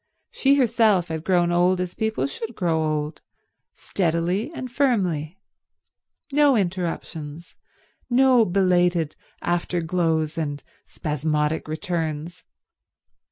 She herself had grown old as people should grow old—steadily and firmly. No interruptions, no belated after glows and spasmodic returns.